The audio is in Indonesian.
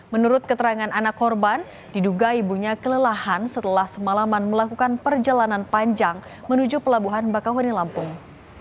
menurut keterangan anak korban diduga ibunya kelelahan setelah semalaman melakukan perjalanan panjang menuju pelabuhan bakauheni lampung